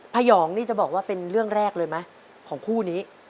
ยองนี่จะบอกว่าเป็นเรื่องแรกเลยไหมของคู่นี้